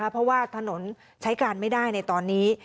เพราะว่าถนนใช้การไม่ได้ในตอนนี้